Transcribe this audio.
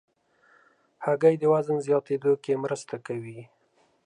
هګۍ د وزن زیاتېدو کې مرسته کوي.